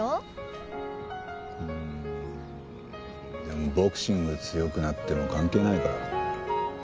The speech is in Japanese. でもボクシング強くなっても関係ないから。